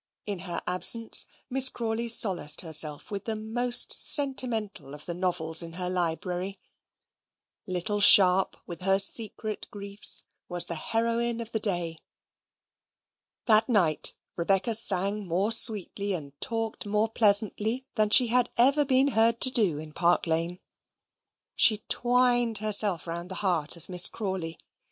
In her absence Miss Crawley solaced herself with the most sentimental of the novels in her library. Little Sharp, with her secret griefs, was the heroine of the day. That night Rebecca sang more sweetly and talked more pleasantly than she had ever been heard to do in Park Lane. She twined herself round the heart of Miss Crawley.